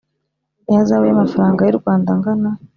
ihazabu y amafaranga y u Rwanda angana